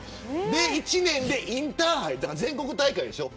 １年でインターハイ全国大会でしょ。